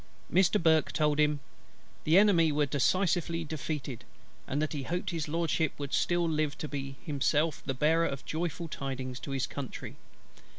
Mr. BURKE told him "the Enemy were decisively defeated, and that he hoped His LORDSHIP would still live to be himself the bearer of the joyful tidings to his country."